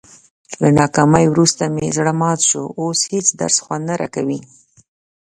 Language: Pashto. له ناکامۍ ورسته مې زړه مات شو، اوس هېڅ درس خوند نه راکوي.